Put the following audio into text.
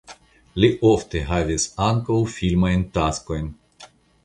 Li ofte havis ankaŭ filmajn taskojn.